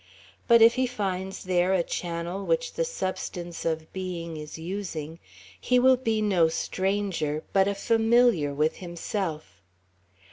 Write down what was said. But if he finds there a channel which the substance of being is using, he will be no stranger, but a familiar, with himself.